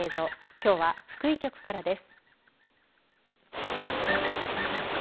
きょうは福井局からです。